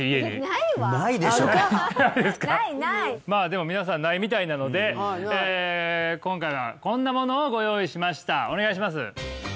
でも皆さんないみたいなので今回はこんなものをご用意しましたお願いします